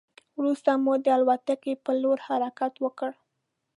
وروسته مو د الوتکې په لور حرکت وکړ.